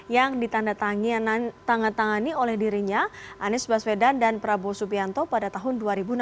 yang ditanda tangani oleh dirinya anies baswedan dan prabowo subianto pada tahun dua ribu enam belas